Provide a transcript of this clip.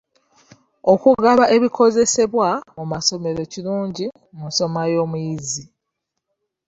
Okugaba ebikozesebwa mu masomero kirungi mu nsoma y'omuyizi.